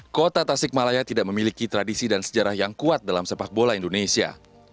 kota tasikmalaya tidak memiliki tradisi dan sejarah yang kuat dalam sepak bola indonesia